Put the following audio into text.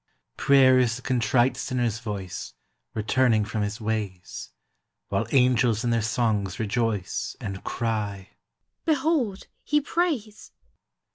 Prayer is the contrite sinner's voice Returning from his ways, While angels in their songs rejoice, And cry, "Behold he prays!"